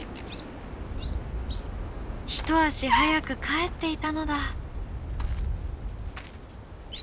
一足早くかえっていたのだ。